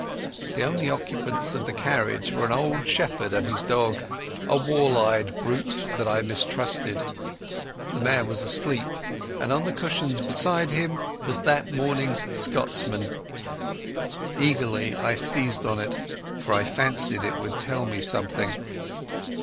The only occupants of the carriage were an old shepherd and his dog—a wall eyed brute that I mistrusted. The man was asleep, and on the cushions beside him was that morning's Scotsman. Eagerly I seized on it, for I fancied it would tell me something.